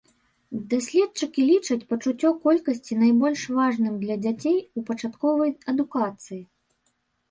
Даследчыкі лічаць пачуццё колькасці найбольш важным для дзяцей у пачатковай адукацыі.